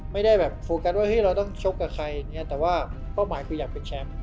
ไม่ได้โฟกัสว่าเราต้องชกกับใครแต่ว่ากล้องหมายคืออยากเป็นแชมป์